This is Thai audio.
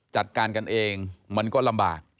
จัดการกันเองมันก็ลำบาก